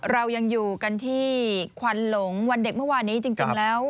เรายังอยู่กันที่ควันหลงวันเด็กเมื่อวานนี้จริงแล้ว